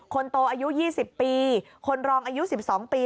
คนโตอายุยี่สิบปีคนรองอายุสิบสองปี